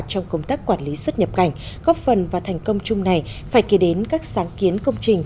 trong công tác quản lý xuất nhập cảnh góp phần và thành công chung này phải kể đến các sáng kiến công trình